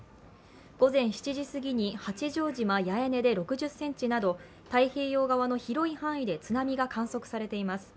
午前７時すぎに八丈島八重根で６０ｃｍなど太平洋側の広い範囲で津波が観測されています。